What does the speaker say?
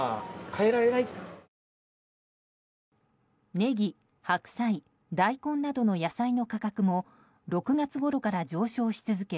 ネギ、白菜、大根などの野菜の価格も６月ごろから上昇し続け